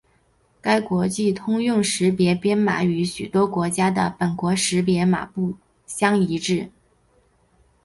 该国际通用识别编码与许多国家的本国识别码相一致。